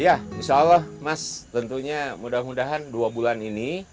ya insya allah mas tentunya mudah mudahan dua bulan ini